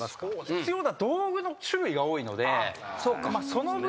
必要な道具の種類が多いのでその分。